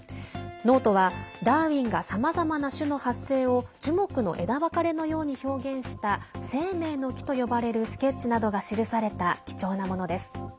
ノートは、ダーウィンがさまざまな種の発生を樹木の枝分かれのように表現した「生命の樹」と呼ばれるスケッチなどが記された貴重なものです。